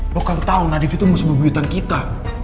lo kan tau nadif itu mesti berbibutan kita